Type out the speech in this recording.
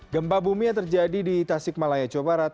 gempa bumi yang terjadi di tasik malaya jawa barat